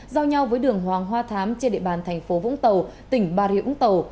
giao nhau với đường hoàng hoa thám trên địa bàn thành phố vũng tàu tỉnh bà rịa úng tàu